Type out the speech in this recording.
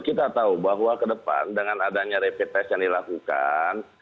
kita tahu bahwa ke depan dengan adanya rapid test yang dilakukan